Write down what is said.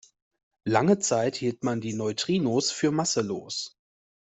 Lange Zeit hielt man die Neutrinos für masselos.